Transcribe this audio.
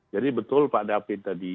jadi betul pak david tadi